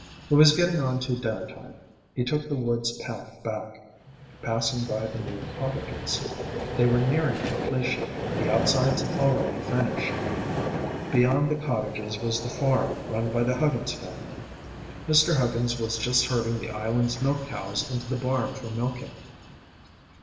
It was getting on to dinnertime. He took the woods path back, passing by the new cottages. They were nearing completion, the outsides already finished. Beyond the cottages was the farm run by the Huggins family. Mr. Huggins was just herding the island's milk cows into the barn for milking.